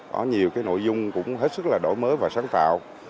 có nhiều nội dung cũng hết sức là đổi mới và sáng tạo